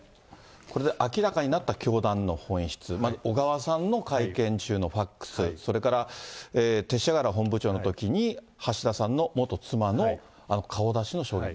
これで明らかになった教団の本質、小川さんの会見中のファックス、それから勅使河原本部長のときに橋田さんの元妻の顔出しの衝撃。